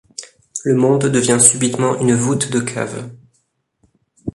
Le monde devient subitement une voûte de cave.